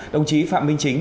đồng chí phạm minh chính